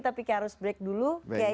tapi harus break dulu